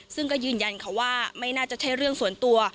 ซึ่งก็ยืนยันค่ะว่าไม่น่าจะใช่เรื่องส่วนตัว